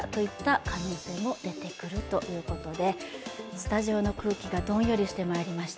スタジオの空気がどんよりしてまいりました。